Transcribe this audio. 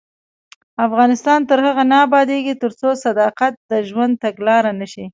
افغانستان تر هغو نه ابادیږي، ترڅو صداقت د ژوند تګلاره نشي.